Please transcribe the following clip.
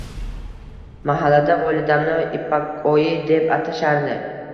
Mahallada volidamni Ipakoyi deb atashardi.